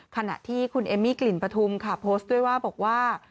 ขณะที่คุณเอมมี่กลิ่นปฐุมค่ะโพสต์ด้วยว่าบอกว่า